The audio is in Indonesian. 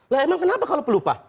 lah emang kenapa kalau pelupa